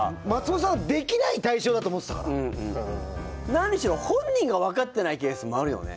何しろ本人が分かってないケースもあるよね。